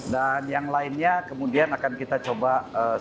dan yang lainnya kemudian akan kita coba mencoba